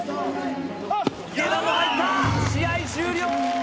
下段も入った試合終了！